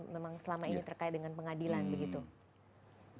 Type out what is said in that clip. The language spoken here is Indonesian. memang selama ini terkait dengan pengadilan begitu